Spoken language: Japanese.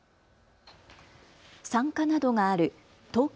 産科などがある東京